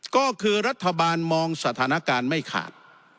ก็คือรัฐบาลมองสถานการณ์ไม่ขาด